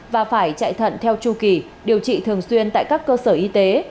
và phải chạy thận theo chu kỳ điều trị thường xuyên tại các cơ sở y tế